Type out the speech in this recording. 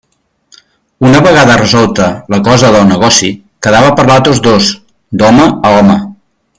Una vegada resolta la cosa del negoci, quedava parlar tots dos, d'home a home.